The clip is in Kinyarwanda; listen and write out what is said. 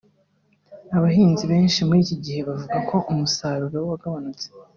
Abahinzi benshi muri iki gihe bavuga ko umusaruro wagabanutse